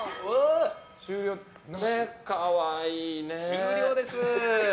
終了です。